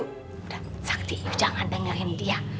udah sakti you jangan dengerin dia